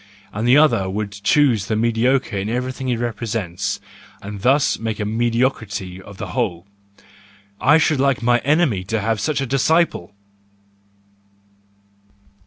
And the other will choose the mediocre in every¬ thing he represents, and thus make a mediocrity of the whole,—I should like my enemy to have such a disciple.